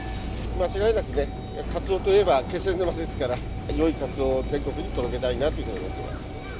間違いなくね、カツオといえば気仙沼ですから、よいカツオを全国に届けたいなと思っています。